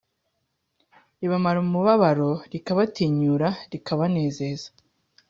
ribamara umubabaro rikabatinyura rikabanezeza